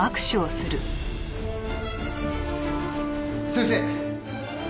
先生！